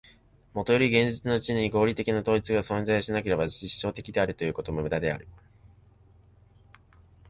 もとより現実のうちに合理的な統一が存しないならば、実証的であるということも無駄である。